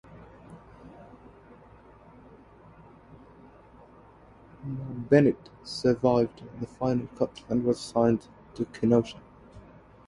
Bennett survived the final cut and was assigned to Kenosha.